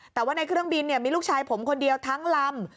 แต่ว่าในเครื่องบินมีลูกชายผมคนเดียวทั้งลำ